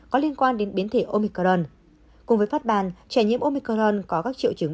có liên quan đến biến thể omicron cùng với phát ban trẻ nhiễm omicron có các triệu chứng